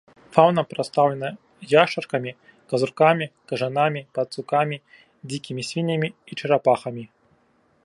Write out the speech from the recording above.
Фаўна прадстаўлена яшчаркамі, казуркамі, кажанамі, пацукамі, дзікімі свіннямі і чарапахамі.